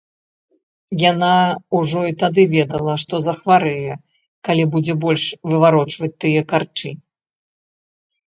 Яна ўжо і тады ведала, што захварэе, калі будзе больш выварочваць тыя карчы.